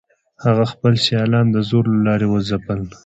هغه خپل سیالان د زور له لارې وځپل.